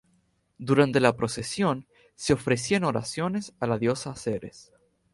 Durante la procesión, se ofrecían oraciones a la diosa Ceres.